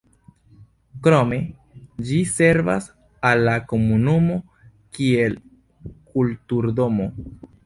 Krome ĝi servas al la komunumo kiel kulturdomo.